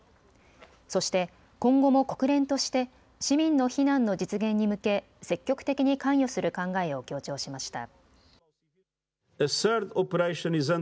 そして今後も国連として市民の避難の実現に向け積極的に関与する考えを強調しました。